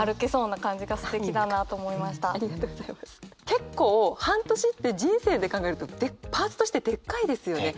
結構半年って人生で考えるとパーツとしてでっかいですよね。